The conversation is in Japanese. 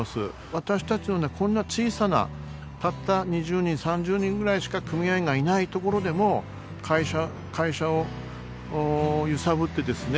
私たちのようなこんな小さなたった２０人３０人ぐらいしか組合員がいないところでも会社を揺さぶってですね